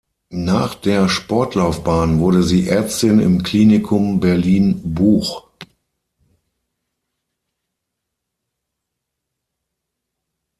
Nach der Sportlaufbahn wurde sie Ärztin im Klinikum Berlin-Buch.